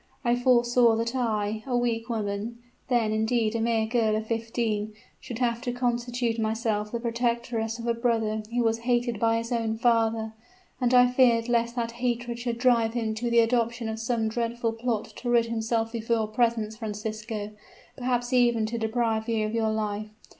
I foresaw that I a weak woman then, indeed, a mere girl of fifteen should have to constitute myself the protectress of a brother who was hated by his own father; and I feared lest that hatred should drive him to the adoption of some dreadful plot to rid himself of your presence, Francisco perhaps even to deprive you of your life.